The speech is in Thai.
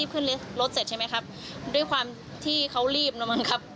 ขึ้นรถเสร็จใช่ไหมครับด้วยความที่เขารีบแล้วมั้งครับ